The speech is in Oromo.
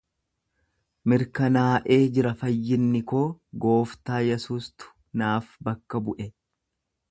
Mirkanaa'ee jira fayyinni koo, gooftaa Yesuustu naaf bakka bu'e.